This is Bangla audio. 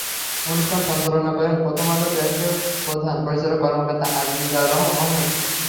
অনুষ্ঠান সঞ্চালনা করেন প্রথম আলো ট্রাস্টের প্রধান পরিচালন কর্মকর্তা আজিজা আহমেদ।